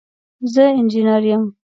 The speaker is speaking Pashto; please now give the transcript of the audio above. زه انجينر يم.